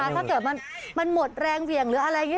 ถ้าเกิดมันหมดแรงเหวี่ยงหรืออะไรอย่างนี้